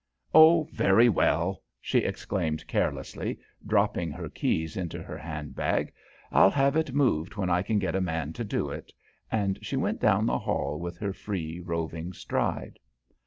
"Oh, very well!" she exclaimed carelessly, dropping her keys into her handbag. "I'll have it moved when I can get a man to do it," and she went down the hall with her free, roving stride.